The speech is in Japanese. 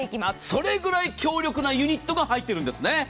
それぐらい強力なユニットが入っているんですね。